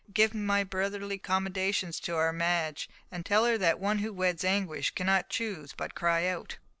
give my brotherly commendations to our Madge, and tell her that one who weds Anguish cannot choose but cry out."